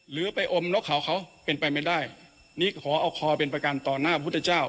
หรือไปอมนกเขาเขาเป็นไปไม่ได้นี่ขอเอาคอเป็นประกันต่อหน้าพุทธเจ้า